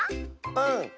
うん！